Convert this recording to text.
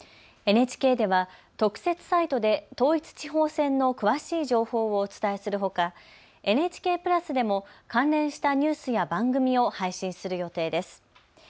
ＮＨＫでは特設サイトで統一地方選の詳しい情報をお伝えするほかＮＨＫプラスでも関連したニュースや番組を配信する予定です。